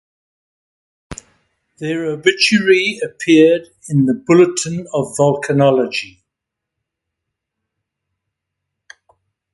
Their obituary appeared in the "Bulletin of Volcanology".